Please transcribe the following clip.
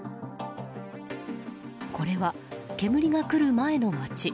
これは煙が来る前の街。